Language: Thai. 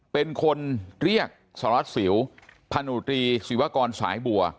เป็นคนเรียกสารวัตรสิวพันธุตรีศิวากรสายบัว